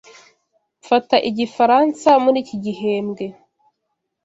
Mfata igifaransa muri iki gihembwe.